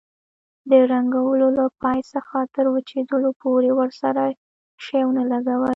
د رنګولو له پای څخه تر وچېدلو پورې ورسره شی ونه لګوئ.